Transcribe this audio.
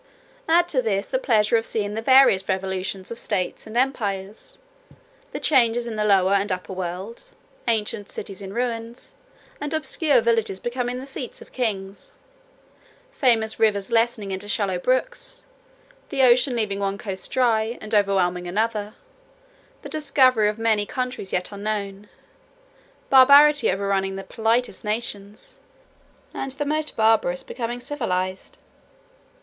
"Add to this, the pleasure of seeing the various revolutions of states and empires; the changes in the lower and upper world; ancient cities in ruins, and obscure villages become the seats of kings; famous rivers lessening into shallow brooks; the ocean leaving one coast dry, and overwhelming another; the discovery of many countries yet unknown; barbarity overrunning the politest nations, and the most barbarous become civilized.